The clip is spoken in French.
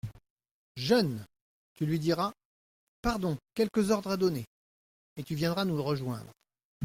Jeune ! tu lui diras : "Pardon, quelques ordres à donner…" et tu viendras nous rejoindre.